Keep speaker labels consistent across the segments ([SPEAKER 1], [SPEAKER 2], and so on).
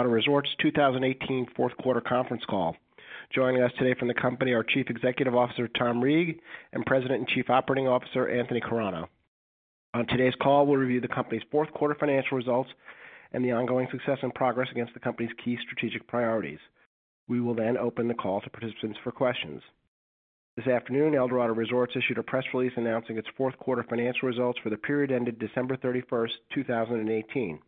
[SPEAKER 1] Eldorado Resorts' 2018 fourth quarter conference call. Joining us today from the company are Chief Executive Officer, Tom Reeg, and President and Chief Operating Officer, Anthony Carano. On today's call, we'll review the company's fourth quarter financial results and the ongoing success and progress against the company's key strategic priorities. We will open the call to participants for questions. This afternoon, Eldorado Resorts issued a press release announcing its fourth quarter financial results for the period ended December 31st, 2018.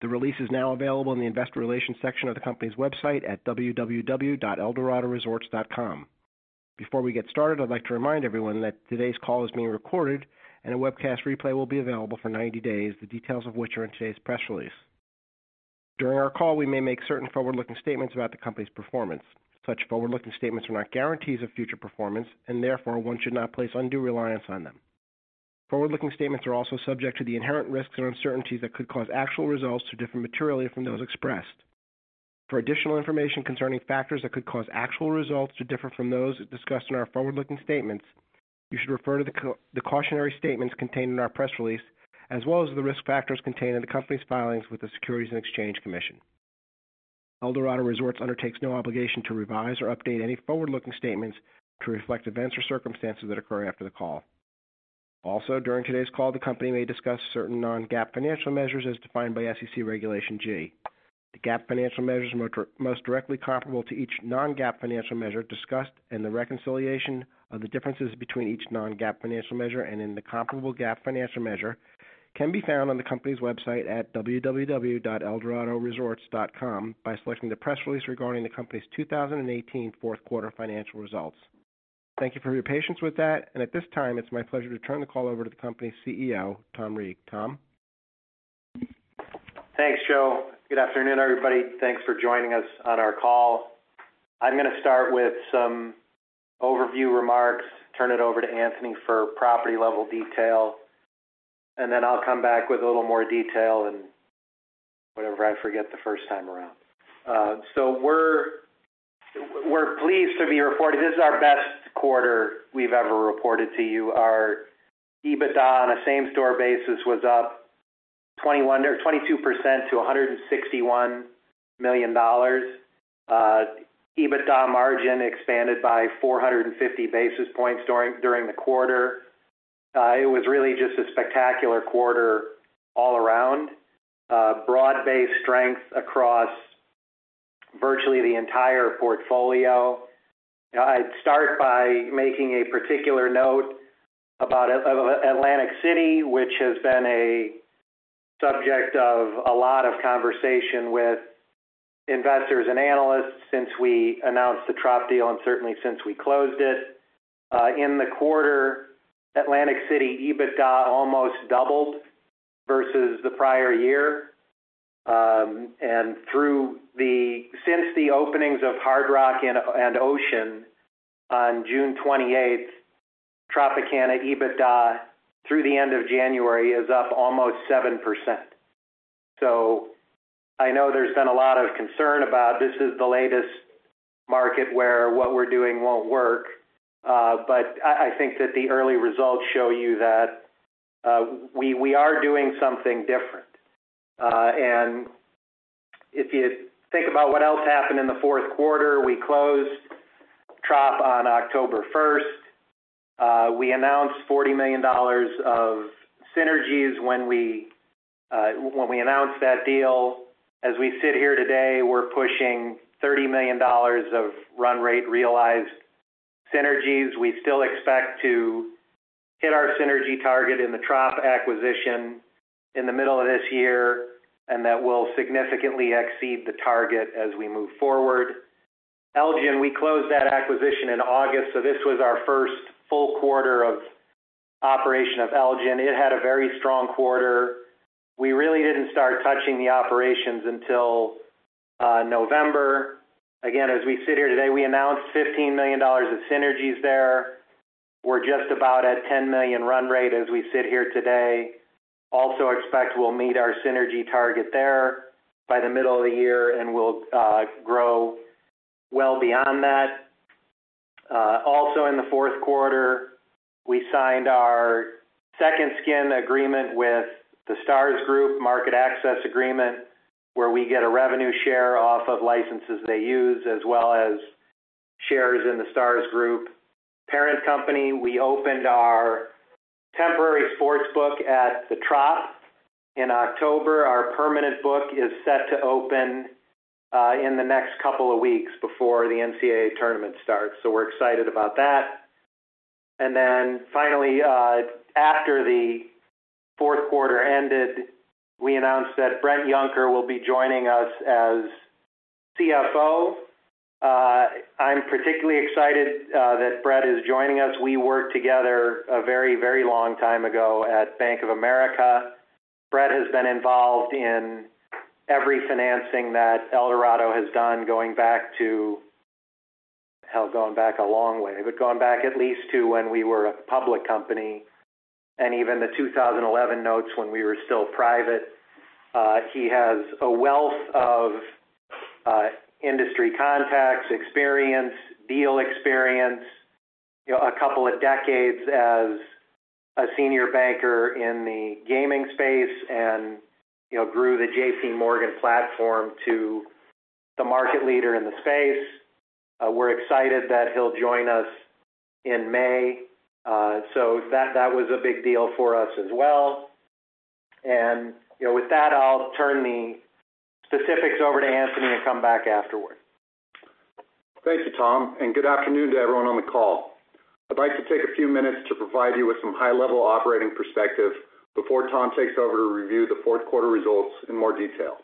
[SPEAKER 1] The release is now available in the investor relations section of the company's website at www.eldoradoresorts.com. Before we get started, I'd like to remind everyone that today's call is being recorded and a webcast replay will be available for 90 days, the details of which are in today's press release. During our call, we may make certain forward-looking statements about the company's performance. Such forward-looking statements are not guarantees of future performance, and therefore, one should not place undue reliance on them. Forward-looking statements are also subject to the inherent risks and uncertainties that could cause actual results to differ materially from those expressed. For additional information concerning factors that could cause actual results to differ from those discussed in our forward-looking statements, you should refer to the cautionary statements contained in our press release, as well as the risk factors contained in the company's filings with the Securities and Exchange Commission. Eldorado Resorts undertakes no obligation to revise or update any forward-looking statements to reflect events or circumstances that occur after the call. Also, during today's call, the company may discuss certain non-GAAP financial measures as defined by SEC Regulation G. The GAAP financial measures most directly comparable to each non-GAAP financial measure discussed and the reconciliation of the differences between each non-GAAP financial measure and in the comparable GAAP financial measure can be found on the company's website at www.eldoradoresorts.com by selecting the press release regarding the company's 2018 fourth quarter financial results. Thank you for your patience with that. At this time, it's my pleasure to turn the call over to the company's CEO, Tom Reeg. Tom?
[SPEAKER 2] Thanks, Joe. Good afternoon, everybody. Thanks for joining us on our call. I'm going to start with some overview remarks, turn it over to Anthony for property-level detail. Then I'll come back with a little more detail and whatever I forget the first time around. We're pleased to be reporting. This is our best quarter we've ever reported to you. Our EBITDA on a same-store basis was up 22% to $161 million. EBITDA margin expanded by 450 basis points during the quarter. It was really just a spectacular quarter all around. Broad-based strength across virtually the entire portfolio. I'd start by making a particular note about Atlantic City, which has been a subject of a lot of conversation with investors and analysts since we announced the Trop deal and certainly since we closed it. In the quarter, Atlantic City EBITDA almost doubled versus the prior year. Since the openings of Hard Rock and Ocean on June 28th, Tropicana EBITDA through the end of January is up almost 7%. I know there's been a lot of concern about this is the latest market where what we're doing won't work. I think that the early results show you that we are doing something different. If you think about what else happened in the fourth quarter, we closed Trop on October 1st. We announced $40 million of synergies when we announced that deal. As we sit here today, we're pushing $30 million of run rate realized synergies. We still expect to hit our synergy target in the Trop acquisition in the middle of this year, and that will significantly exceed the target as we move forward. Elgin, we closed that acquisition in August, so this was our first full quarter of operation of Elgin. It had a very strong quarter. We really didn't start touching the operations until November. Again, as we sit here today, we announced $15 million of synergies there. We're just about at $10 million run rate as we sit here today. We also expect we'll meet our synergy target there by the middle of the year, and we'll grow well beyond that. In the fourth quarter, we signed our second skin agreement with The Stars Group market access agreement, where we get a revenue share off of licenses they use, as well as shares in The Stars Group. Parent company, we opened our temporary sports book at the Trop in October. Our permanent book is set to open in the next couple of weeks before the NCAA tournament starts, we're excited about that. Finally, after the fourth quarter ended, we announced that Bret Yunker will be joining us as CFO. I'm particularly excited that Bret is joining us. We worked together a very long time ago at Bank of America. Bret has been involved in every financing that Eldorado has done going back a long way, but going back at least to when we were a public company, and even the 2011 notes when we were still private. He has a wealth of industry contacts, experience, deal experience, a couple of decades as a senior banker in the gaming space and grew the JPMorgan platform to the market leader in the space. We're excited that he'll join us in May, that was a big deal for us as well. With that, I'll turn the specifics over to Anthony to come back afterward.
[SPEAKER 3] Thank you, Tom, and good afternoon to everyone on the call. I'd like to take a few minutes to provide you with some high-level operating perspective before Tom takes over to review the fourth quarter results in more detail.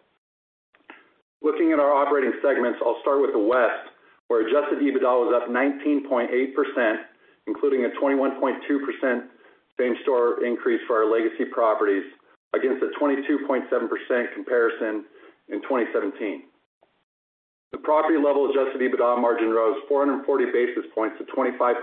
[SPEAKER 3] Looking at our operating segments, I'll start with the West, where adjusted EBITDA was up 19.8%, including a 21.2% same-store increase for our legacy properties against a 22.7% comparison in 2017. The property-level adjusted EBITDA margin rose 440 basis points to 25.2%.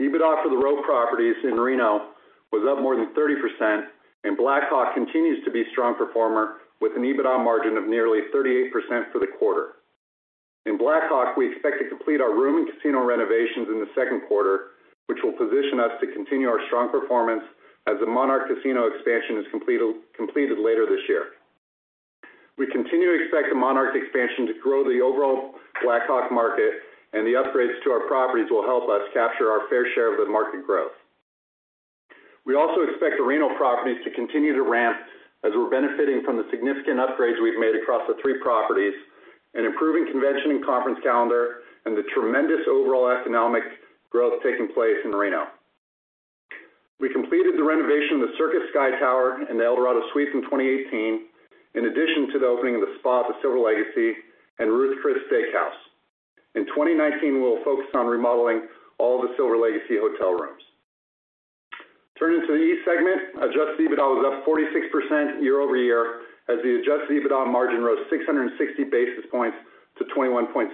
[SPEAKER 3] EBITDA for The ROW properties in Reno was up more than 30%, and Black Hawk continues to be a strong performer with an EBITDA margin of nearly 38% for the quarter. In Black Hawk, we expect to complete our room and casino renovations in the second quarter, which will position us to continue our strong performance as the Monarch Casino expansion is completed later this year. We continue to expect the Monarch expansion to grow the overall Black Hawk market, and the upgrades to our properties will help us capture our fair share of the market growth. We also expect the Reno properties to continue to ramp as we're benefiting from the significant upgrades we've made across the three properties, an improving convention and conference calendar, and the tremendous overall economic growth taking place in Reno. We completed the renovation of the Circus Sky Tower and the Eldorado Suites in 2018, in addition to the opening of the spa, the Silver Legacy, and Ruth's Chris Steak House. In 2019, we'll focus on remodeling all the Silver Legacy hotel rooms. Turning to the East segment, adjusted EBITDA was up 46% year-over-year as the adjusted EBITDA margin rose 660 basis points to 21.7%.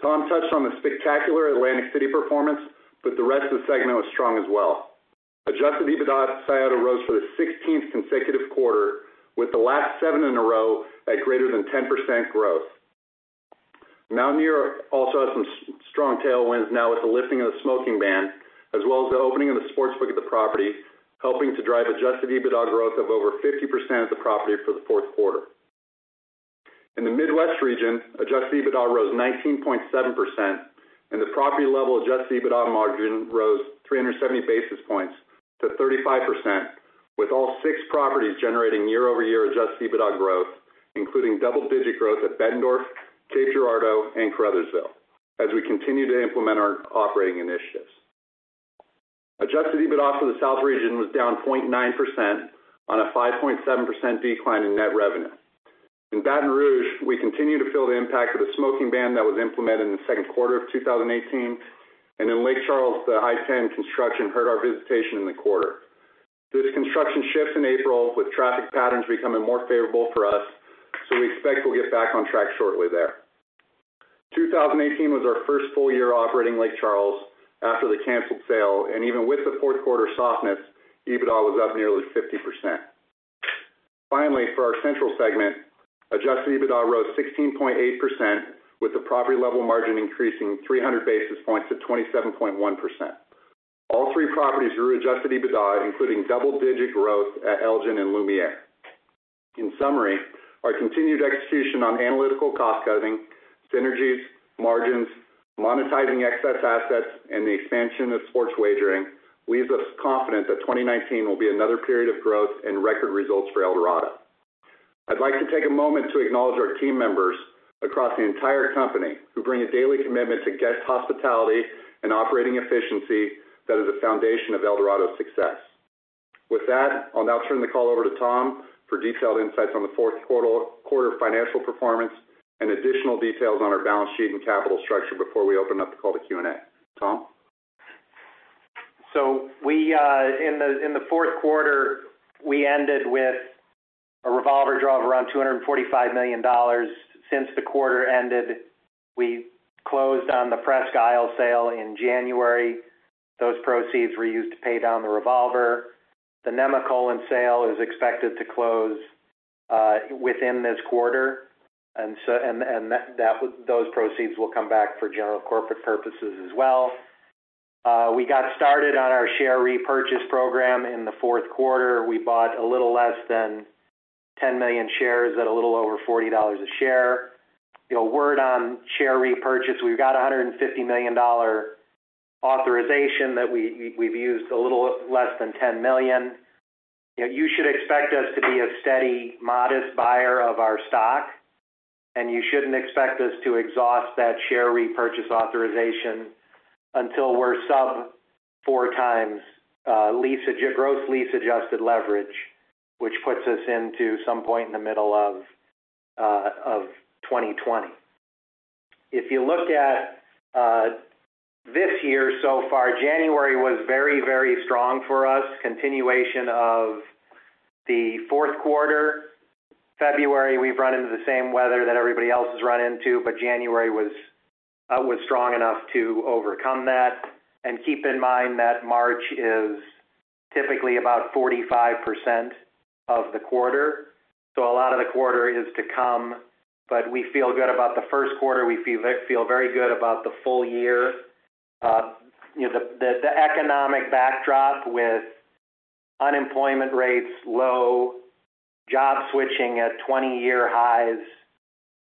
[SPEAKER 3] Tom touched on the spectacular Atlantic City performance, but the rest of the segment was strong as well. Adjusted EBITDA at Scioto rose for the 16th consecutive quarter, with the last seven in a row at greater than 10% growth. Mount Airy also has some strong tailwinds now with the lifting of the smoking ban, as well as the opening of the sportsbook at the property, helping to drive adjusted EBITDA growth of over 50% at the property for the fourth quarter. In the Midwest region, adjusted EBITDA rose 19.7%, and the property level adjusted EBITDA margin rose 370 basis points to 35%, with all six properties generating year-over-year adjusted EBITDA growth, including double-digit growth at Bettendorf, Cape Girardeau, and Caruthersville, as we continue to implement our operating initiatives. Adjusted EBITDA for the South region was down 0.9% on a 5.7% decline in net revenue. In Baton Rouge, we continue to feel the impact of the smoking ban that was implemented in the second quarter of 2018. In Lake Charles, the I-10 construction hurt our visitation in the quarter. This construction shifts in April, with traffic patterns becoming more favorable for us, so we expect we'll get back on track shortly there. 2018 was our first full year operating Lake Charles after the canceled sale, and even with the fourth quarter softness, EBITDA was up nearly 50%. Finally, for our Central segment, adjusted EBITDA rose 16.8%, with the property-level margin increasing 300 basis points to 27.1%. All three properties grew adjusted EBITDA, including double-digit growth at Elgin and Lumiere. In summary, our continued execution on analytical cost-cutting, synergies, margins, monetizing excess assets, and the expansion of sports wagering leaves us confident that 2019 will be another period of growth and record results for Eldorado. I'd like to take a moment to acknowledge our team members across the entire company who bring a daily commitment to guest hospitality and operating efficiency that is the foundation of Eldorado's success. With that, I'll now turn the call over to Tom for detailed insights on the fourth quarter financial performance and additional details on our balance sheet and capital structure before we open up the call to Q&A. Tom?
[SPEAKER 2] In the fourth quarter, we ended with a revolver draw of around $245 million. Since the quarter ended, we closed on the Presque Isle sale in January. Those proceeds were used to pay down the revolver. The Lady Luck Casino Nemacolin sale is expected to close within this quarter, and those proceeds will come back for general corporate purposes as well. We got started on our share repurchase program in the fourth quarter. We bought a little less than 10 million shares at a little over $40 a share. Word on share repurchase, we've got a $150 million authorization that we've used a little less than $10 million. You should expect us to be a steady, modest buyer of our stock, and you shouldn't expect us to exhaust that share repurchase authorization until we're sub four times gross lease-adjusted leverage, which puts us into some point in the middle of 2020. If you looked at this year so far, January was very strong for us, continuation of the fourth quarter. February, we've run into the same weather that everybody else has run into. January was strong enough to overcome that. Keep in mind that March is typically about 45% of the quarter. A lot of the quarter is to come. We feel good about the first quarter. We feel very good about the full year. The economic backdrop with unemployment rates low, job switching at 20-year highs,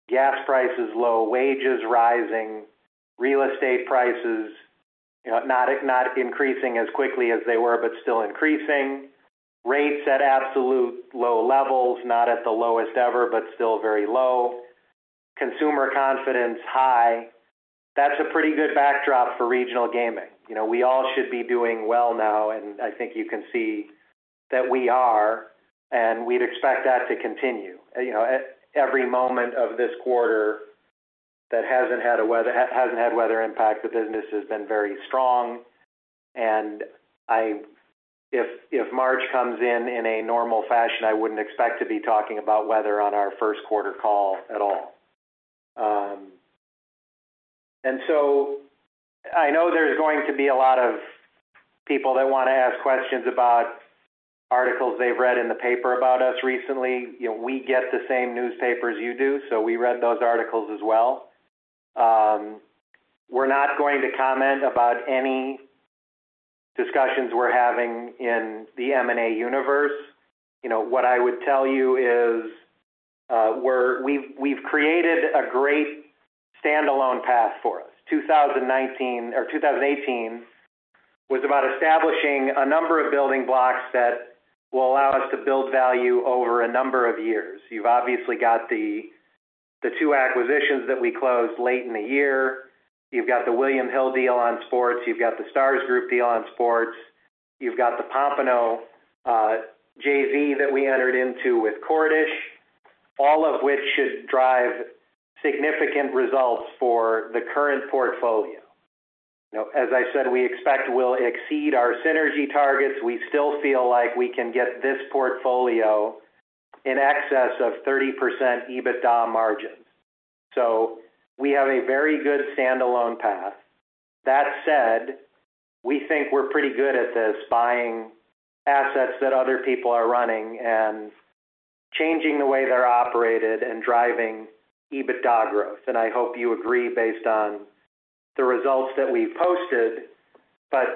[SPEAKER 2] gas prices low, wages rising, real estate prices not increasing as quickly as they were, still increasing. Rates at absolute low levels, not at the lowest ever, still very low. Consumer confidence high. That's a pretty good backdrop for regional gaming. We all should be doing well now, and I think you can see that we are, and we'd expect that to continue. At every moment of this quarter that hasn't had weather impact, the business has been very strong. If March comes in in a normal fashion, I wouldn't expect to be talking about weather on our first quarter call at all. I know there's going to be a lot of people that want to ask questions about articles they've read in the paper about us recently. We get the same newspaper as you do. We read those articles as well. We're not going to comment about any discussions we're having in the M&A universe. What I would tell you is we've created a great standalone path for us. 2019 or 2018 was about establishing a number of building blocks that will allow us to build value over a number of years. You've obviously got the two acquisitions that we closed late in the year. You've got the William Hill deal on sports. You've got The Stars Group deal on sports. You've got the Pompano JV that we entered into with The Cordish Companies, all of which should drive significant results for the current portfolio. As I said, we expect we'll exceed our synergy targets. We still feel like we can get this portfolio in excess of 30% EBITDA margins. We have a very good standalone path. That said, we think we're pretty good at this buying assets that other people are running and changing the way they're operated and driving EBITDA growth. I hope you agree based on the results that we've posted.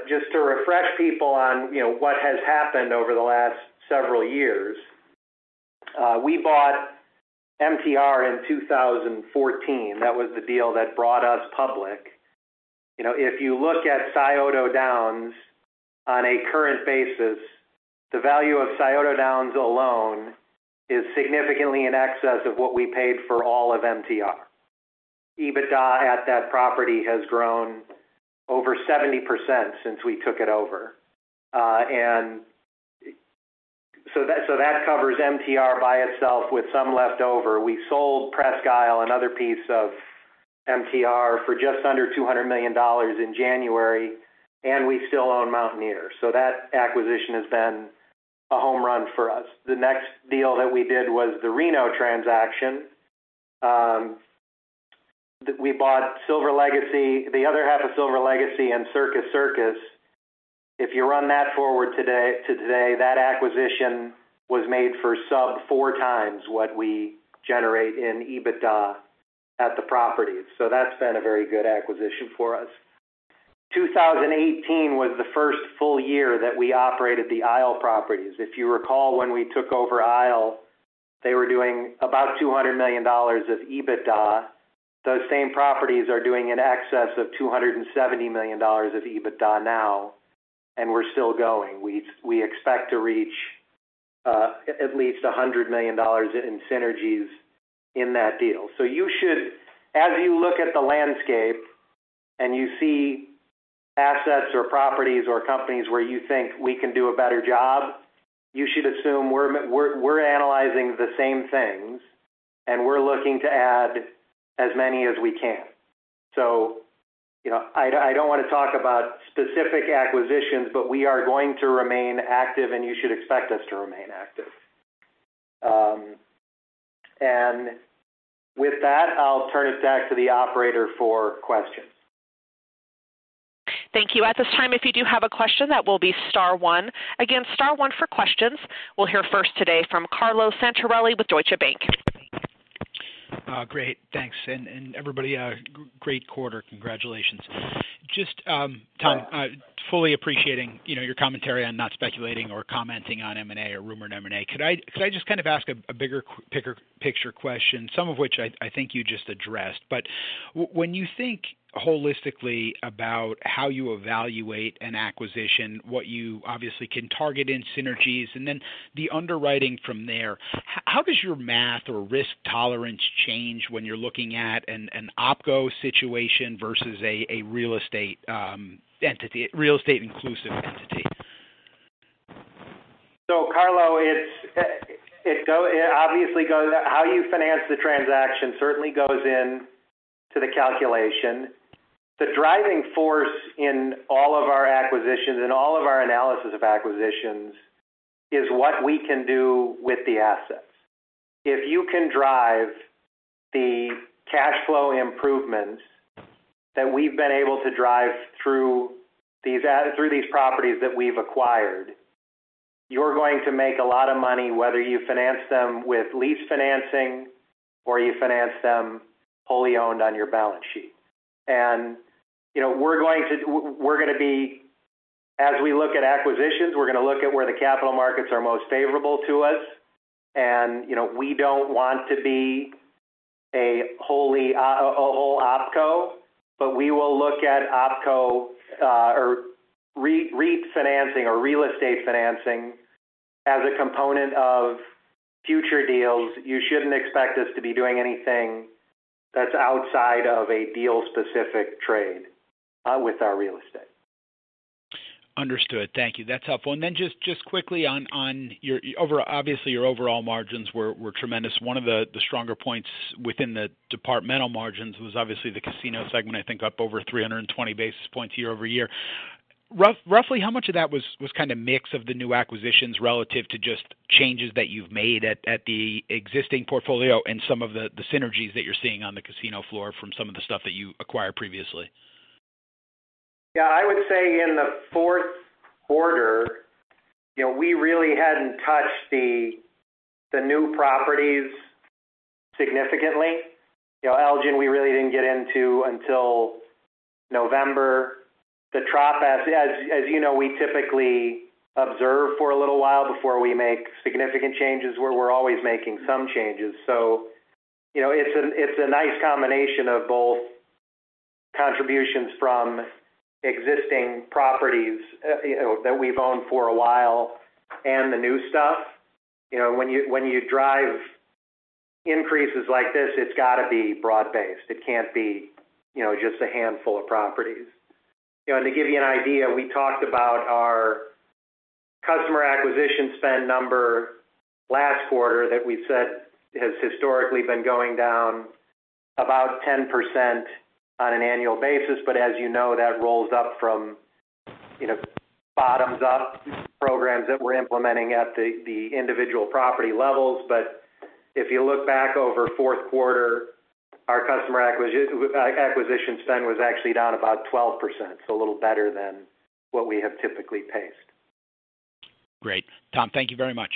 [SPEAKER 2] Just to refresh people on what has happened over the last several years. We bought MTR in 2014. That was the deal that brought us public. If you look at Scioto Downs on a current basis, the value of Scioto Downs alone is significantly in excess of what we paid for all of MTR. EBITDA at that property has grown over 70% since we took it over. That covers MTR by itself with some leftover. We sold Presque Isle, another piece of MTR, for just under $200 million in January, and we still own Mountaineer. That acquisition has been a home run for us. The next deal that we did was the Reno transaction. We bought the other half of Silver Legacy and Circus Circus. If you run that forward to today, that acquisition was made for sub four times what we generate in EBITDA at the properties. That's been a very good acquisition for us. 2018 was the first full year that we operated the Isle properties. If you recall, when we took over Isle, they were doing about $200 million of EBITDA. Those same properties are doing in excess of $270 million of EBITDA now, and we're still going. We expect to reach at least $100 million in synergies in that deal. As you look at the landscape and you see assets or properties or companies where you think we can do a better job, you should assume we're analyzing the same things and we're looking to add as many as we can. I don't want to talk about specific acquisitions, but we are going to remain active and you should expect us to remain active. With that, I'll turn it back to the operator for questions.
[SPEAKER 4] Thank you. At this time, if you do have a question, that will be star one. Again, star one for questions. We'll hear first today from Carlo Santarelli with Deutsche Bank.
[SPEAKER 5] Great. Thanks. Everybody, great quarter. Congratulations. Tom, fully appreciating your commentary on not speculating or commenting on M&A or rumored M&A, could I just kind of ask a bigger picture question, some of which I think you just addressed. When you think holistically about how you evaluate an acquisition, what you obviously can target in synergies, and then the underwriting from there, how does your math or risk tolerance change when you're looking at an OpCo situation versus a real estate inclusive entity?
[SPEAKER 2] Carlo, how you finance the transaction certainly goes into the calculation. The driving force in all of our acquisitions and all of our analysis of acquisitions is what we can do with the assets. If you can drive the cash flow improvements that we've been able to drive through these properties that we've acquired, you're going to make a lot of money, whether you finance them with lease financing or you finance them wholly owned on your balance sheet. As we look at acquisitions, we're going to look at where the capital markets are most favorable to us. We don't want to be a whole OpCo, but we will look at OpCo or REIT financing or real estate financing as a component of future deals. You shouldn't expect us to be doing anything that's outside of a deal-specific trade with our real estate.
[SPEAKER 5] Understood. Thank you. That's helpful. Then just quickly, obviously, your overall margins were tremendous. One of the stronger points within the departmental margins was obviously the casino segment, I think up over 320 basis points year-over-year. Roughly how much of that was kind of mix of the new acquisitions relative to just changes that you've made at the existing portfolio and some of the synergies that you're seeing on the casino floor from some of the stuff that you acquired previously?
[SPEAKER 2] Yeah, I would say in the fourth quarter, we really hadn't touched the new properties significantly. Elgin, we really didn't get into until November. The Trop, as you know, we typically observe for a little while before we make significant changes where we're always making some changes. It's a nice combination of both contributions from existing properties that we've owned for a while and the new stuff. When you drive increases like this, it's got to be broad-based. It can't be just a handful of properties. To give you an idea, we talked about our customer acquisition spend number last quarter that we said has historically been going down about 10% on an annual basis, as you know, that rolls up from bottoms-up programs that we're implementing at the individual property levels. If you look back over fourth quarter, our customer acquisition spend was actually down about 12%, so a little better than what we have typically paced.
[SPEAKER 5] Great. Tom, thank you very much.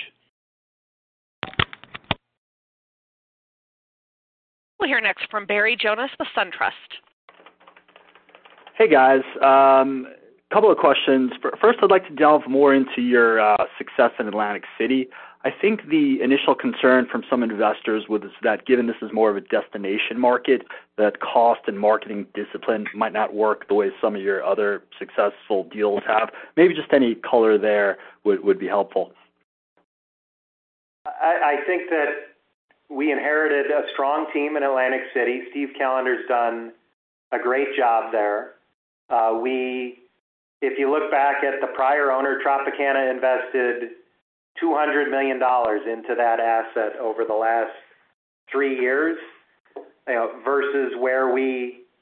[SPEAKER 4] We'll hear next from Barry Jonas with SunTrust.
[SPEAKER 6] Hey, guys. Couple of questions. First, I'd like to delve more into your success in Atlantic City. I think the initial concern from some investors was that given this is more of a destination market, that cost and marketing discipline might not work the way some of your other successful deals have. Maybe just any color there would be helpful.
[SPEAKER 2] I think that we inherited a strong team in Atlantic City. Steve Callender's done a great job there. If you look back at the prior owner, Tropicana invested $200 million into that asset over the last three years, versus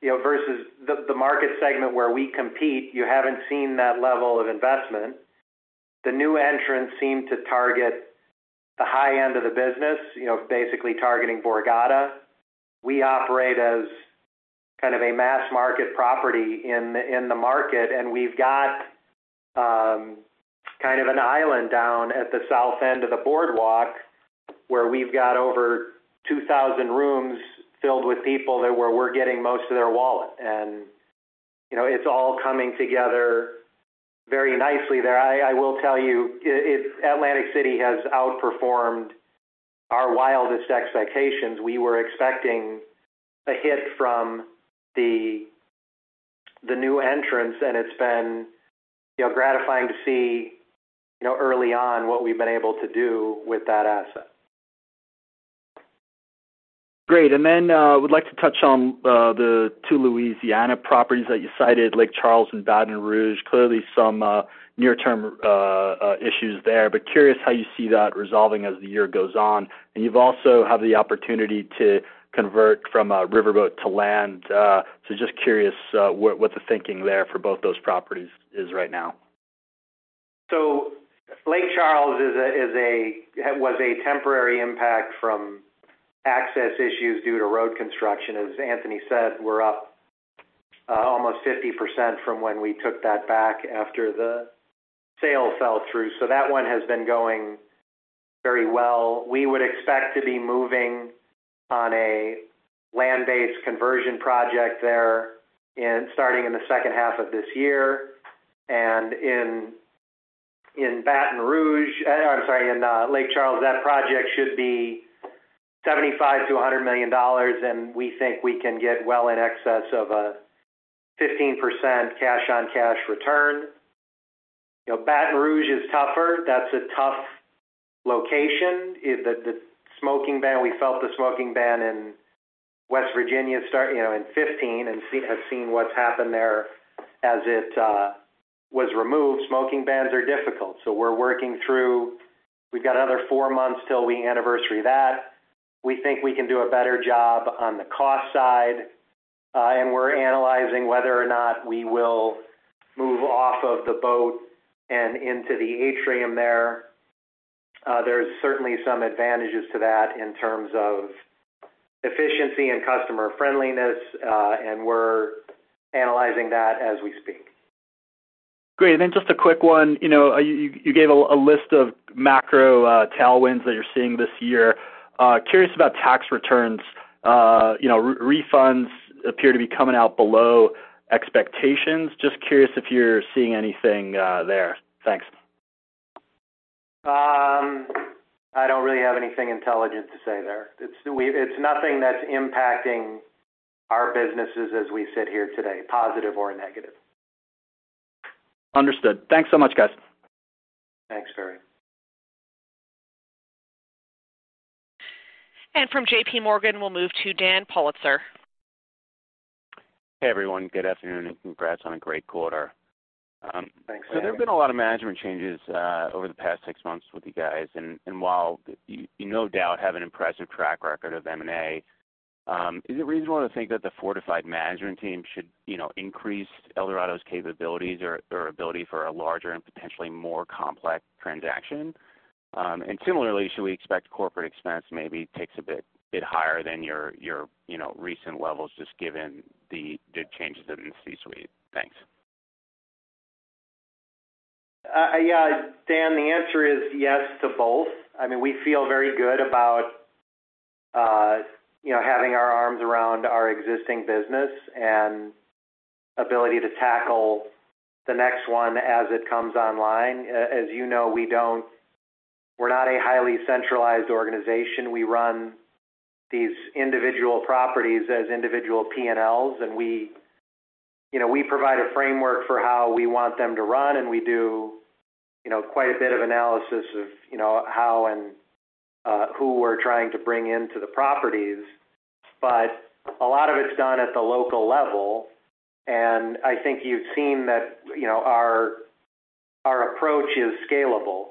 [SPEAKER 2] the market segment where we compete, you haven't seen that level of investment. The new entrants seem to target the high end of the business, basically targeting Borgata. We operate as kind of a mass market property in the market, and we've got kind of an island down at the south end of the boardwalk where we've got over 2,000 rooms filled with people that we're getting most of their wallet. It's all coming together very nicely there. I will tell you, Atlantic City has outperformed our wildest expectations. We were expecting a hit from the new entrants, and it's been gratifying to see early on what we've been able to do with that asset.
[SPEAKER 6] Great. I would like to touch on the two Louisiana properties that you cited, Lake Charles and Baton Rouge. Clearly some near-term issues there, but curious how you see that resolving as the year goes on. You also have the opportunity to convert from riverboat to land. Just curious what the thinking there for both those properties is right now.
[SPEAKER 2] Lake Charles was a temporary impact from access issues due to road construction. As Anthony said, we're up almost 50% from when we took that back after the sale fell through. That one has been going very well. We would expect to be moving on a land-based conversion project there starting in the second half of this year. In Lake Charles, that project should be $75 million-$100 million, and we think we can get well in excess of a 15% cash-on-cash return. Baton Rouge is tougher. That's a tough location. We felt the smoking ban in West Virginia in 2015 and have seen what's happened there as it was removed. Smoking bans are difficult. We're working through. We've got another four months till we anniversary that. We think we can do a better job on the cost side. We're analyzing whether or not we will move off of the boat and into the atrium there. There's certainly some advantages to that in terms of efficiency and customer friendliness, and we're analyzing that as we speak.
[SPEAKER 6] Great. Just a quick one. You gave a list of macro tailwinds that you're seeing this year. Curious about tax returns. Refunds appear to be coming out below expectations. Just curious if you're seeing anything there. Thanks.
[SPEAKER 2] I don't really have anything intelligent to say there. It's nothing that's impacting our businesses as we sit here today, positive or negative.
[SPEAKER 6] Understood. Thanks so much, guys.
[SPEAKER 2] Thanks, Barry.
[SPEAKER 4] From JPMorgan, we'll move to Daniel Politzer.
[SPEAKER 7] Hey, everyone. Good afternoon, and congrats on a great quarter.
[SPEAKER 2] Thanks, Dan.
[SPEAKER 7] There have been a lot of management changes over the past six months with you guys, and while you no doubt have an impressive track record of M&A, is it reasonable to think that the Fertitta management team should increase Eldorado's capabilities or ability for a larger and potentially more complex transaction? Similarly, should we expect corporate expense maybe ticks a bit higher than your recent levels, just given the changes in the C-suite? Thanks.
[SPEAKER 2] Yeah, Dan, the answer is yes to both. We feel very good about having our arms around our existing business and ability to tackle the next one as it comes online. As you know, we're not a highly centralized organization. We run these individual properties as individual P&Ls, and we provide a framework for how we want them to run, and we do quite a bit of analysis of how and who we're trying to bring into the properties. A lot of it's done at the local level, and I think you've seen that our approach is scalable.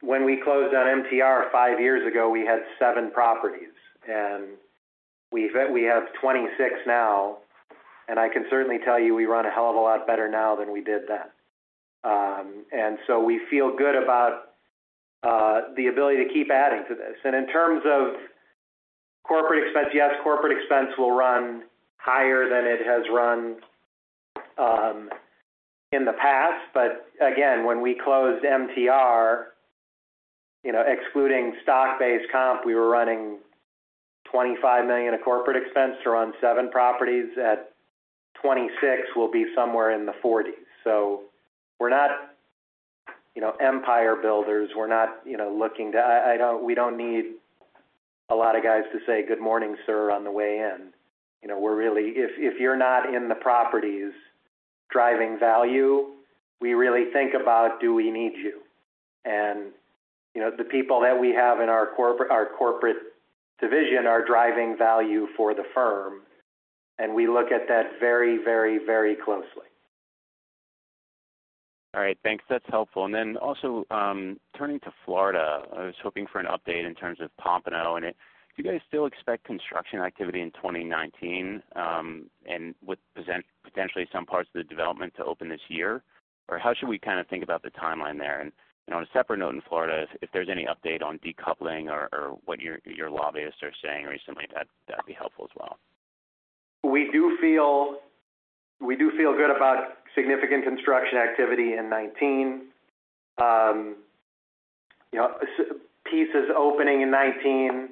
[SPEAKER 2] When we closed on MTR five years ago, we had seven properties, and we have 26 now, and I can certainly tell you we run a hell of a lot better now than we did then. We feel good about the ability to keep adding to this. In terms of corporate expense, yes, corporate expense will run higher than it has run in the past. Again, when we closed MTR, excluding stock-based comp, we were running $25 million of corporate expense to run seven properties. At 26, we'll be somewhere in the 40s. We're not empire builders. We don't need a lot of guys to say, "Good morning, sir," on the way in. If you're not in the properties driving value, we really think about do we need you? The people that we have in our corporate division are driving value for the firm, and we look at that very closely.
[SPEAKER 7] All right. Thanks. That's helpful. Also, turning to Florida, I was hoping for an update in terms of Pompano. Do you guys still expect construction activity in 2019, and with potentially some parts of the development to open this year? How should we think about the timeline there? On a separate note in Florida, if there's any update on decoupling or what your lobbyists are saying recently, that'd be helpful as well.
[SPEAKER 2] We do feel good about significant construction activity in 2019. Pieces opening in 2019,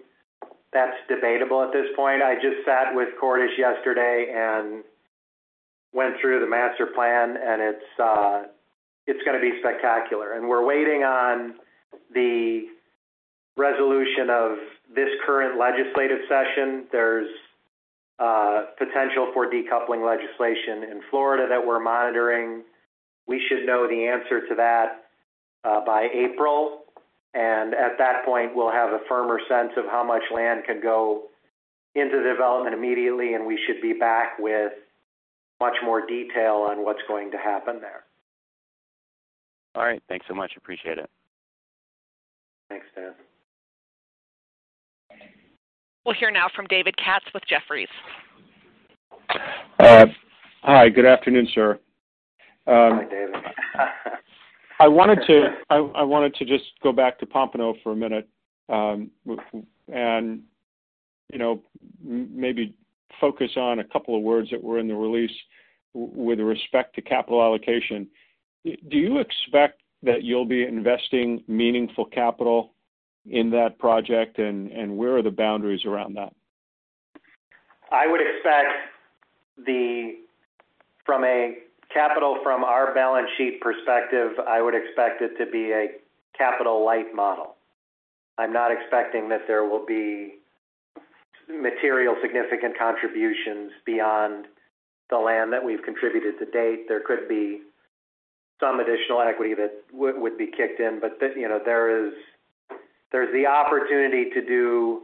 [SPEAKER 2] that's debatable at this point. I just sat with Cordish yesterday and went through the master plan, and it's going to be spectacular. We're waiting on the resolution of this current legislative session. There's potential for decoupling legislation in Florida that we're monitoring. We should know the answer to that by April. At that point, we'll have a firmer sense of how much land can go into development immediately, and we should be back with much more detail on what's going to happen there.
[SPEAKER 7] All right. Thanks so much. Appreciate it.
[SPEAKER 2] Thanks, Dan.
[SPEAKER 4] We'll hear now from David Katz with Jefferies.
[SPEAKER 8] Hi. Good afternoon, sir.
[SPEAKER 2] Hi, David.
[SPEAKER 8] I wanted to just go back to Pompano for a minute and maybe focus on a couple of words that were in the release with respect to capital allocation. Do you expect that you'll be investing meaningful capital in that project, and where are the boundaries around that?
[SPEAKER 2] From a capital from our balance sheet perspective, I would expect it to be a capital-light model. I'm not expecting that there will be material significant contributions beyond the land that we've contributed to date. There could be some additional equity that would be kicked in. There's the opportunity to do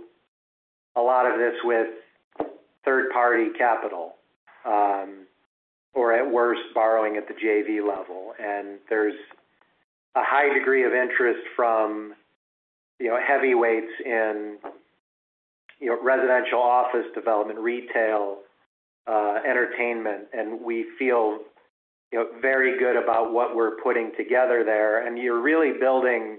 [SPEAKER 2] a lot of this with third-party capital, or at worst, borrowing at the JV level. There's a high degree of interest from heavyweights in residential office development, retail, entertainment, and we feel very good about what we're putting together there. You're really building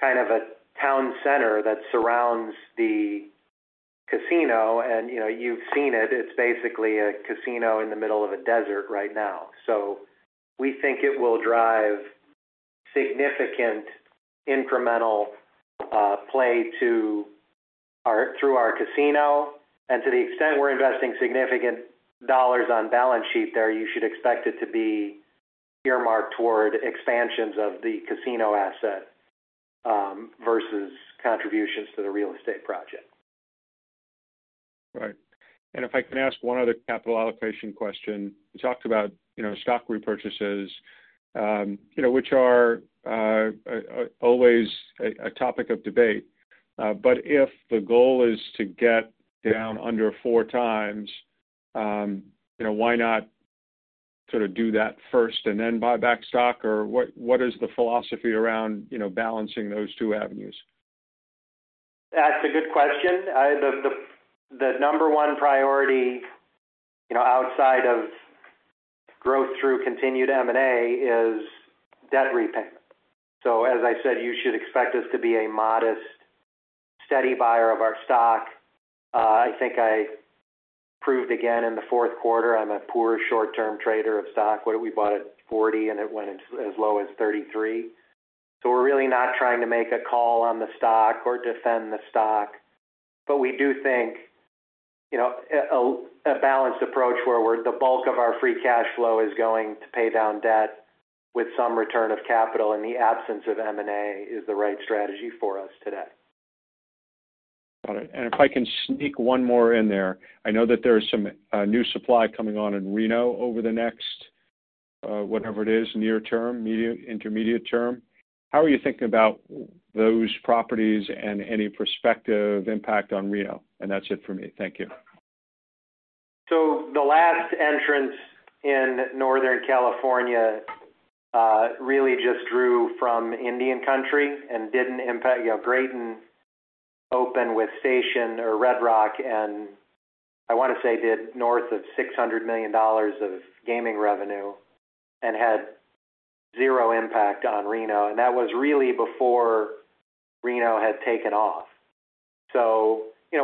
[SPEAKER 2] kind of a town center that surrounds the casino and you've seen it's basically a casino in the middle of a desert right now. We think it will drive significant incremental play through our casino. To the extent we're investing significant dollars on balance sheet there, you should expect it to be earmarked toward expansions of the casino asset versus contributions to the real estate project.
[SPEAKER 8] Right. If I can ask one other capital allocation question. You talked about stock repurchases, which are always a topic of debate. If the goal is to get down under four times, why not do that first and then buy back stock? What is the philosophy around balancing those two avenues?
[SPEAKER 2] That's a good question. The number one priority outside of growth through continued M&A is debt repayment. As I said, you should expect us to be a modest, steady buyer of our stock. I think I proved again in the fourth quarter, I'm a poor short-term trader of stock. What did we buy it at 40, and it went as low as 33. We're really not trying to make a call on the stock or defend the stock. We do think a balanced approach where the bulk of our free cash flow is going to pay down debt with some return of capital in the absence of M&A is the right strategy for us today.
[SPEAKER 8] Got it. If I can sneak one more in there. I know that there's some new supply coming on in Reno over the next, whatever it is, near term, intermediate term. How are you thinking about those properties and any prospective impact on Reno? That's it for me. Thank you.
[SPEAKER 2] The last entrance in Northern California really just drew from Indian country and didn't impact. Graton opened with Station Casinos or Red Rock, and I want to say did north of $600 million of gaming revenue and had zero impact on Reno. That was really before Reno had taken off.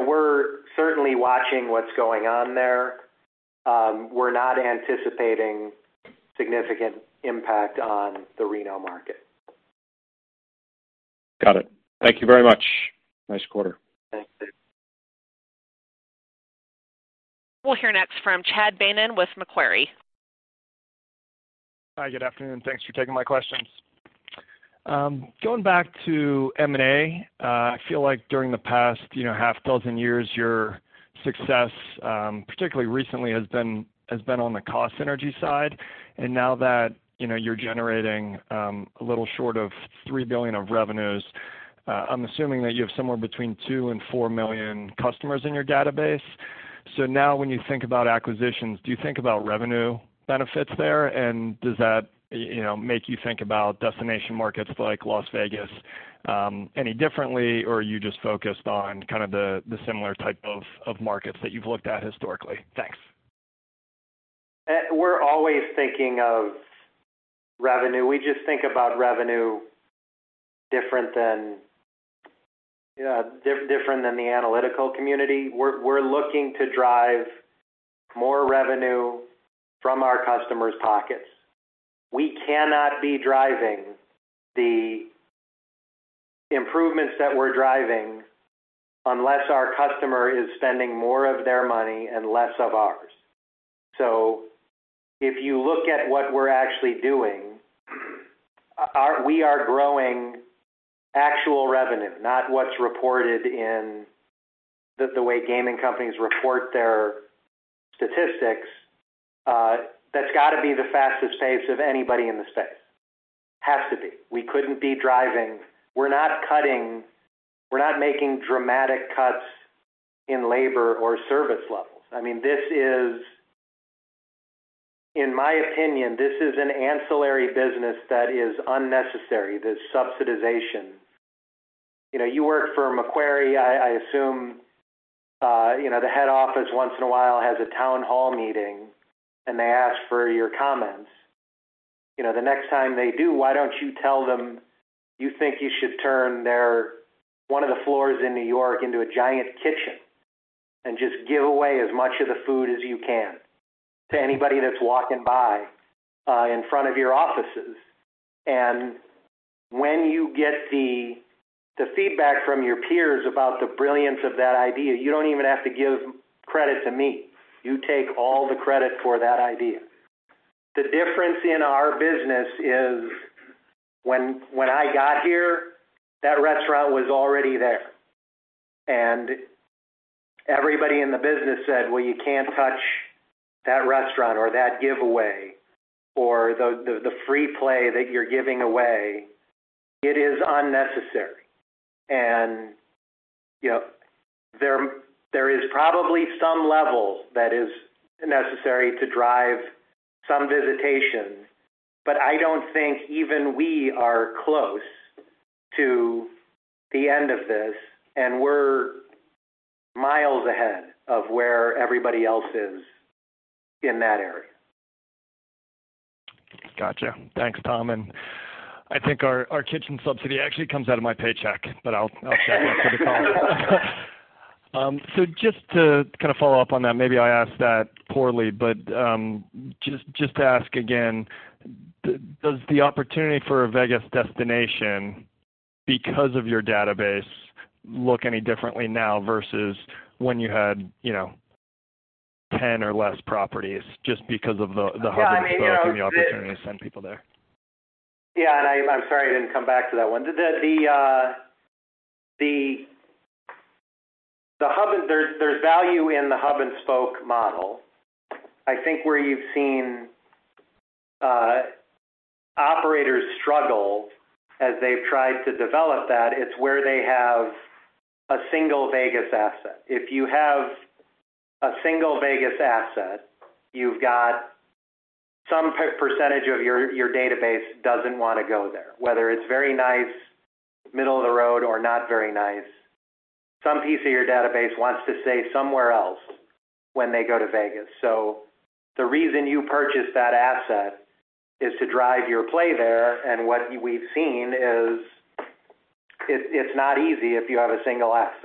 [SPEAKER 2] We're certainly watching what's going on there. We're not anticipating significant impact on the Reno market.
[SPEAKER 8] Got it. Thank you very much. Nice quarter.
[SPEAKER 2] Thanks.
[SPEAKER 4] We'll hear next from Chad Beynon with Macquarie.
[SPEAKER 9] Hi, good afternoon. Thanks for taking my questions. Going back to M&A, I feel like during the past half dozen years, your success, particularly recently, has been on the cost synergy side. Now that you're generating a little short of $3 billion of revenues, I'm assuming that you have somewhere between two and four million customers in your database. Now when you think about acquisitions, do you think about revenue benefits there? Does that make you think about destination markets like Las Vegas any differently, or are you just focused on kind of the similar type of markets that you've looked at historically? Thanks.
[SPEAKER 2] We're always thinking of revenue. We just think about revenue different than the analytical community. We're looking to drive more revenue from our customers' pockets. We cannot be driving the improvements that we're driving unless our customer is spending more of their money and less of ours. If you look at what we're actually doing, we are growing actual revenue, not what's reported in the way gaming companies report their statistics. That's got to be the fastest pace of anybody in the space. Has to be. We're not making dramatic cuts in labor or service levels. In my opinion, this is an ancillary business that is unnecessary, this subsidization. You work for Macquarie, I assume the head office once in a while has a town hall meeting and they ask for your comments. The next time they do, why don't you tell them you think you should turn one of the floors in N.Y. into a giant kitchen and just give away as much of the food as you can to anybody that's walking by in front of your offices. When you get the feedback from your peers about the brilliance of that idea, you don't even have to give credit to me. You take all the credit for that idea. The difference in our business is when I got here, that restaurant was already there. Everybody in the business said, "Well, you can't touch that restaurant or that giveaway or the free play that you're giving away." It is unnecessary. There is probably some level that is necessary to drive some visitation, but I don't think even we are close to the end of this, and we're miles ahead of where everybody else is in that area.
[SPEAKER 9] Got you. Thanks, Tom. I think our kitchen subsidy actually comes out of my paycheck. Just to follow up on that, maybe I asked that poorly, but just to ask again, does the opportunity for a Vegas destination, because of your database, look any differently now versus when you had 10 or less properties just because of the hub and spoke.
[SPEAKER 2] Yeah, I mean.
[SPEAKER 9] The opportunity to send people there?
[SPEAKER 2] Yeah, I'm sorry I didn't come back to that one. There's value in the hub and spoke model. I think where you've seen operators struggle as they've tried to develop that, it's where they have a single Vegas asset. If you have a single Vegas asset, you've got some percentage of your database doesn't want to go there, whether it's very nice, middle of the road, or not very nice. Some piece of your database wants to stay somewhere else when they go to Vegas. The reason you purchased that asset is to drive your play there. What we've seen is it's not easy if you have a single asset.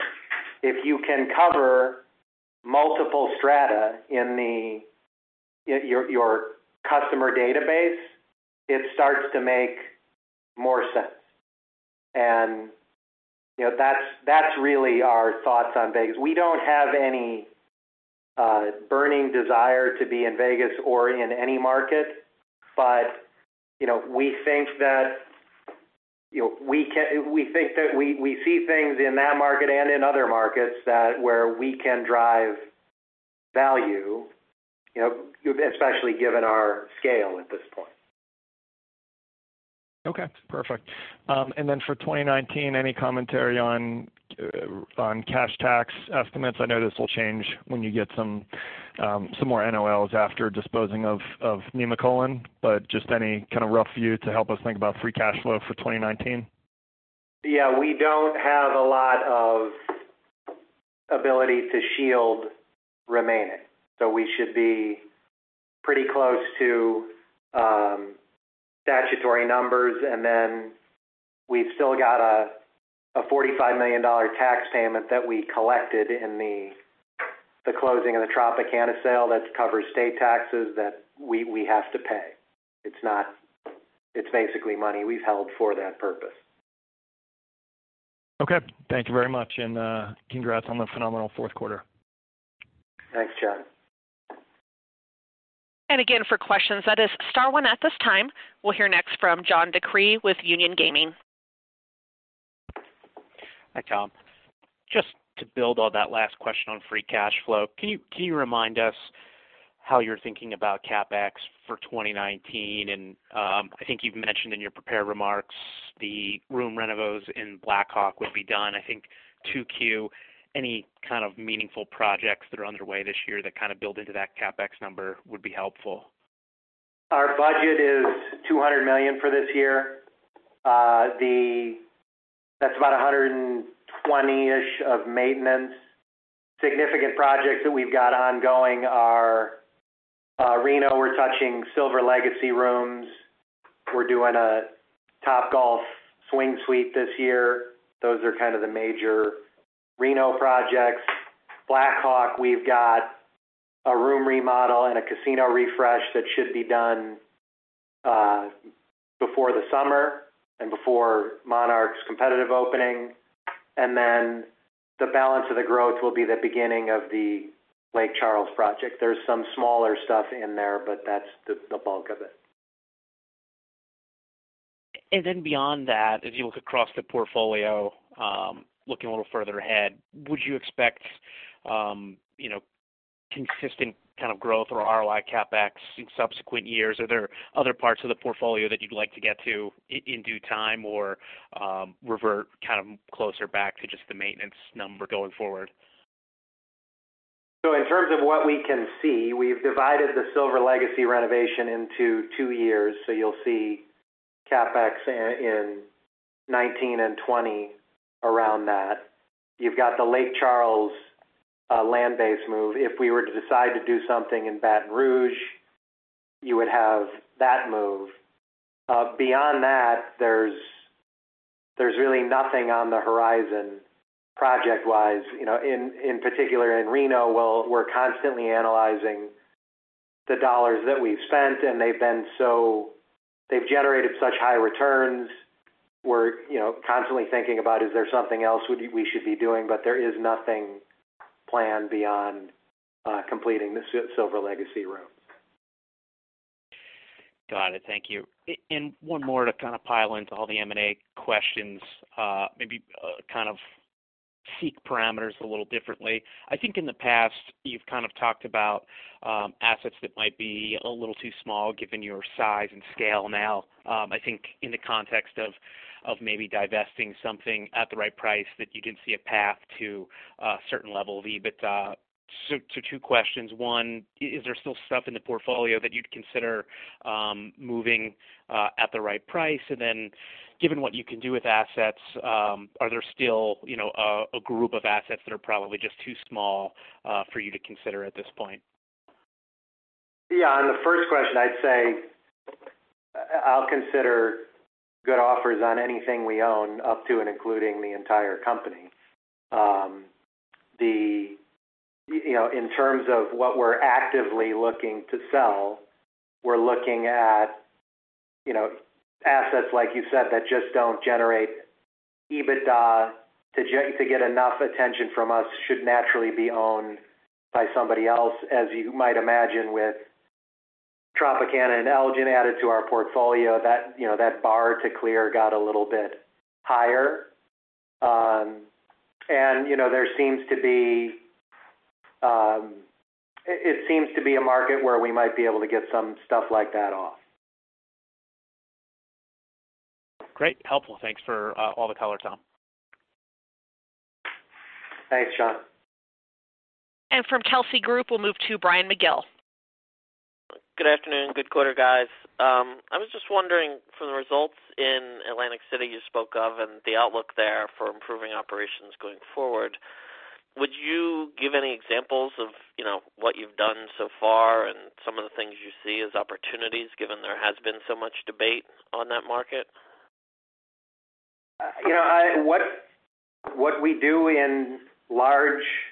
[SPEAKER 2] If you can cover multiple strata in your customer database, it starts to make more sense. That's really our thoughts on Vegas. We don't have any burning desire to be in Vegas or in any market. We think that we see things in that market and in other markets where we can drive value, especially given our scale at this point.
[SPEAKER 9] Okay, perfect. For 2019, any commentary on cash tax estimates? I know this will change when you get some more NOLs after disposing of Nemacolin, just any kind of rough view to help us think about free cash flow for 2019.
[SPEAKER 2] Yeah, we don't have a lot of ability to shield remaining. We should be pretty close to statutory numbers. We've still got a $45 million tax payment that we collected in the closing of the Tropicana sale that covers state taxes that we have to pay. It's basically money we've held for that purpose.
[SPEAKER 9] Okay, thank you very much, congrats on the phenomenal fourth quarter.
[SPEAKER 2] Thanks, John.
[SPEAKER 4] For questions, that is star one at this time. We'll hear next from John DeCree with Union Gaming.
[SPEAKER 10] Hi, Tom. Just to build on that last question on free cash flow, can you remind us how you're thinking about CapEx for 2019? I think you've mentioned in your prepared remarks the room renovos in Black Hawk would be done, I think, 2Q. Any kind of meaningful projects that are underway this year that build into that CapEx number would be helpful.
[SPEAKER 2] Our budget is $200 million for this year. That's about 120-ish of maintenance. Significant projects that we've got ongoing are Reno. We're touching Silver Legacy rooms. We're doing a Topgolf Swing Suite this year. Those are kind of the major Reno projects. Black Hawk, we've got a room remodel and a casino refresh that should be done before the summer and before Monarch's competitive opening. Then the balance of the growth will be the beginning of the Lake Charles project. There's some smaller stuff in there, but that's the bulk of it.
[SPEAKER 10] Then beyond that, as you look across the portfolio, looking a little further ahead, would you expect consistent kind of growth or ROI CapEx in subsequent years? Are there other parts of the portfolio that you'd like to get to in due time, or revert closer back to just the maintenance number going forward?
[SPEAKER 2] In terms of what we can see, we've divided the Silver Legacy renovation into two years. You'll see CapEx in 2019 and 2020 around that. You've got the Lake Charles land base move. If we were to decide to do something in Baton Rouge, you would have that move. Beyond that, there's really nothing on the horizon project-wise. In particular in Reno, we're constantly analyzing the dollars that we've spent, and they've generated such high returns. We're constantly thinking about, is there something else we should be doing? There is nothing planned beyond completing the Silver Legacy room.
[SPEAKER 10] Got it. Thank you. One more to kind of pile into all the M&A questions. Maybe kind of seek parameters a little differently. I think in the past, you've kind of talked about assets that might be a little too small given your size and scale now. I think in the context of maybe divesting something at the right price, that you can see a path to a certain level of EBITDA. Two questions. One, is there still stuff in the portfolio that you'd consider moving at the right price? Then given what you can do with assets, are there still a group of assets that are probably just too small for you to consider at this point?
[SPEAKER 2] On the first question, I'd say I'll consider good offers on anything we own up to and including the entire company. In terms of what we're actively looking to sell, we're looking at assets, like you said, that just don't generate EBITDA to get enough attention from us, should naturally be owned by somebody else. As you might imagine, with Tropicana and Isle of Capri added to our portfolio, that bar to clear got a little bit higher. It seems to be a market where we might be able to get some stuff like that off.
[SPEAKER 10] Great. Helpful. Thanks for all the color, Tom.
[SPEAKER 2] Thanks, Sean.
[SPEAKER 4] From Telsey Advisory Group, we'll move to Brian Agnew.
[SPEAKER 11] Good afternoon. Good quarter, guys. I was just wondering from the results in Atlantic City you spoke of and the outlook there for improving operations going forward, would you give any examples of what you've done so far and some of the things you see as opportunities given there has been so much debate on that market?
[SPEAKER 2] What we do in large properties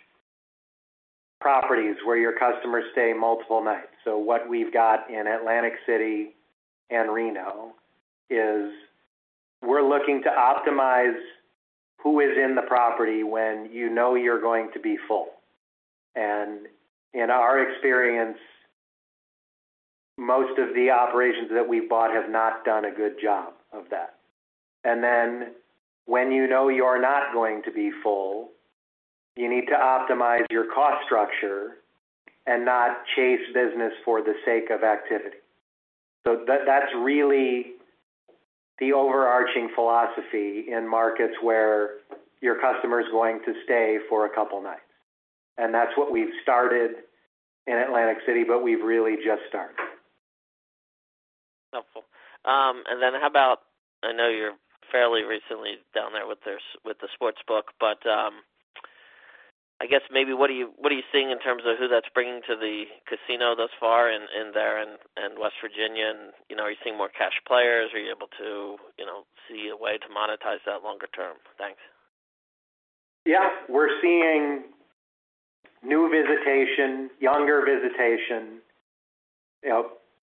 [SPEAKER 2] where your customers stay multiple nights, what we've got in Atlantic City and Reno is we're looking to optimize who is in the property when you know you're going to be full. In our experience, most of the operations that we've bought have not done a good job of that. Then when you know you're not going to be full, you need to optimize your cost structure and not chase business for the sake of activity. That's really the overarching philosophy in markets where your customer's going to stay for a couple nights. That's what we've started in Atlantic City, but we've really just started.
[SPEAKER 11] How about, I know you're fairly recently down there with the sportsbook, but I guess maybe what are you seeing in terms of who that's bringing to the casino thus far in there and West Virginia, and are you seeing more cash players? Are you able to see a way to monetize that longer term? Thanks.
[SPEAKER 2] Yeah. We're seeing new visitation, younger visitation,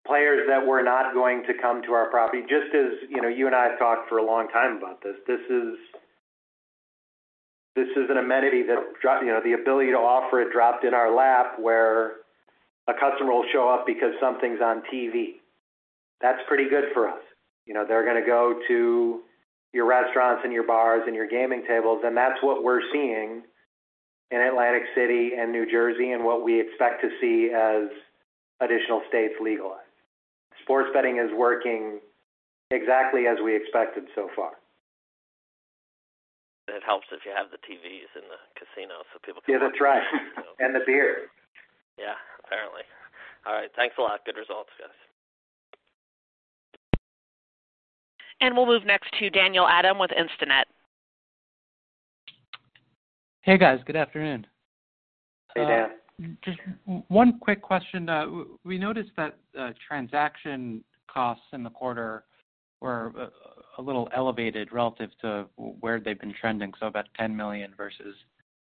[SPEAKER 2] players that were not going to come to our property, just as you and I have talked for a long time about this. This is an amenity that the ability to offer it dropped in our lap where a customer will show up because something's on TV. That's pretty good for us. They're going to go to your restaurants and your bars and your gaming tables. That's what we're seeing in Atlantic City and New Jersey, and what we expect to see as additional states legalize. Sports betting is working exactly as we expected so far.
[SPEAKER 11] It helps if you have the TVs in the casino so people can watch.
[SPEAKER 2] Yeah, that's right. The beer.
[SPEAKER 11] Yeah. Apparently. All right. Thanks a lot. Good results, guys.
[SPEAKER 4] We'll move next to Daniel Adam with Instinet.
[SPEAKER 12] Hey, guys. Good afternoon.
[SPEAKER 2] Hey, Dan.
[SPEAKER 12] Just one quick question. We noticed that transaction costs in the quarter were a little elevated relative to where they've been trending, about $10 million versus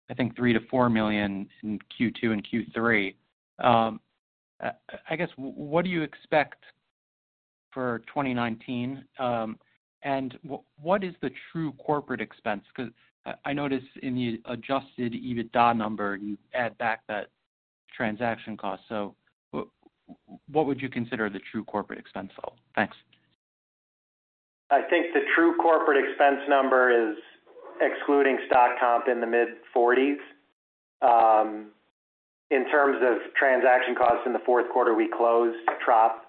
[SPEAKER 12] I think $3 million to $4 million in Q2 and Q3. I guess, what do you expect for 2019? What is the true corporate expense? Because I noticed in the adjusted EBITDA number, you add back that transaction cost. What would you consider the true corporate expense total? Thanks.
[SPEAKER 2] I think the true corporate expense number is excluding stock comp in the mid-40s. In terms of transaction costs in the fourth quarter, we closed Trop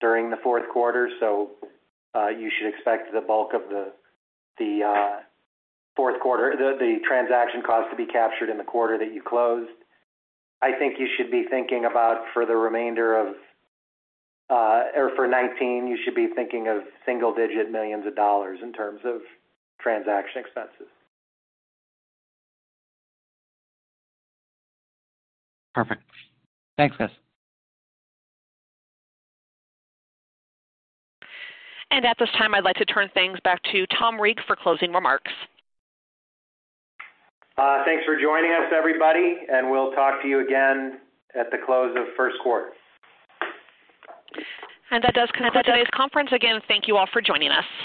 [SPEAKER 2] during the fourth quarter, you should expect the bulk of the transaction cost to be captured in the quarter that you closed. I think you should be thinking about for the remainder of, or for 2019, you should be thinking of single-digit millions of dollars in terms of transaction expenses.
[SPEAKER 12] Perfect. Thanks, guys.
[SPEAKER 4] At this time, I'd like to turn things back to Tom Reeg for closing remarks.
[SPEAKER 2] Thanks for joining us, everybody. We'll talk to you again at the close of first quarter.
[SPEAKER 4] That does conclude today's conference. Again, thank you all for joining us.